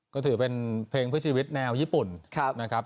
ก็ถือเป็นเพลงเพื่อชีวิตแนวญี่ปุ่นนะครับ